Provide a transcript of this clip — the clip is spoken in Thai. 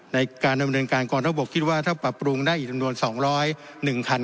ในการดำเนินการกองทบกคิดว่าถ้าปรับปรุงได้อีกจำนวน๒๐๑คัน